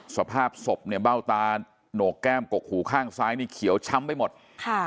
สภาพศพเนี่ยเบ้าตาโหนกแก้มกกหูข้างซ้ายนี่เขียวช้ำไปหมดค่ะ